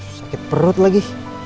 sakit perut lagi